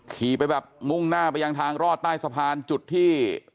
ขี่ไปแบบมุ่งหน้าไปยังทางรอดใต้สะพานจุดที่